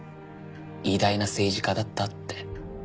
偉大な政治家だったって。